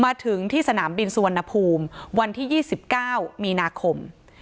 มาถึงที่สนามบินสุวรรณภูมิวันที่๒๙มีนาคม